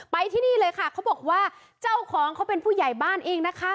ไปที่นี่เลยค่ะเขาบอกว่าเจ้าของเขาเป็นผู้ใหญ่บ้านเองนะคะ